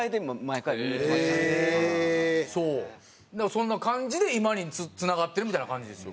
そんな感じで今につながってるみたいな感じですよ。